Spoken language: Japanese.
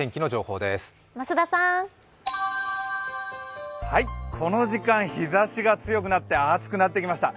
わぁこの時間、日ざしが強くなって暑くなってきました。